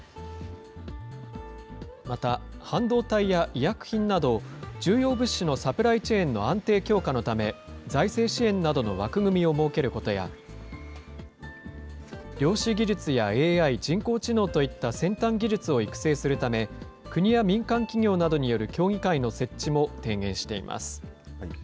また、半導体や医薬品など、重要物資のサプライチェーンの安定・強化のため、財政支援などの枠組みを設けることや、量子技術やＡＩ・人工知能といった先端技術を育成するため、国や民間企業などによる協議会の設置も提言しています。